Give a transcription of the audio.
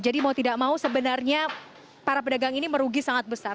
jadi mau tidak mau sebenarnya para pedagang ini merugi sangat besar